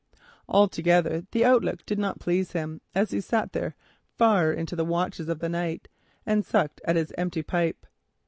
Altogether the outlook did not please him, as he sat there far into the watches of the night, and pulled at his empty pipe.